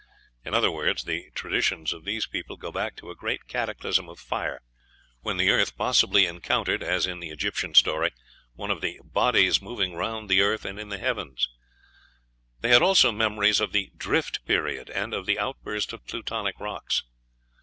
In other words, the traditions of these people go back to a great cataclysm of fire, when the earth possibly encountered, as in the Egyptian story, one of "the bodies moving round the earth and in the heavens;" they had also memories of "the Drift Period," and of the outburst of Plutonic rocks.